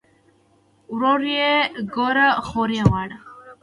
ورور ئې ګوره خور ئې غواړه